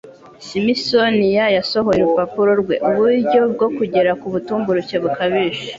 Smithsonian yasohoye urupapuro rwe "Uburyo bwo kugera ku butumburuke bukabije"